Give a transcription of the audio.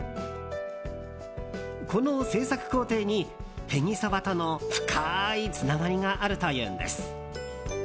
この製作工程に、へぎそばとの深いつながりがあるというんです。